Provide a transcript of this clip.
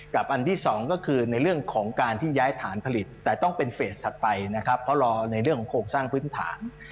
อันที่สองก็คือในเรื่องของการที่ย้ายฐานผลิตแต่ต้องเป็นเฟสถัดไปนะครับเพราะรอในเรื่องของโครงสร้างพื้นฐาน